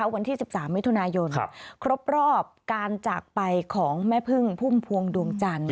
วันที่๑๓มิถุนายนครบรอบการจากไปของแม่พึ่งพุ่มพวงดวงจันทร์